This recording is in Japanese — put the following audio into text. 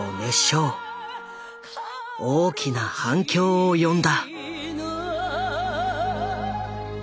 大きな反響を呼んだ。